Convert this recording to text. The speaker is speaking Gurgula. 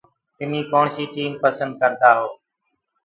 تمي ڪوڻسي ٽيم پسند ڪردآ هو۔